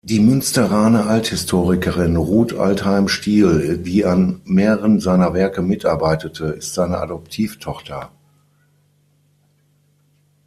Die Münsteraner Althistorikerin Ruth Altheim-Stiehl, die an mehreren seiner Werke mitarbeitete, ist seine Adoptivtochter.